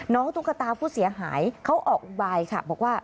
ตุ๊กตาผู้เสียหายเขาออกอุบายค่ะบอกว่า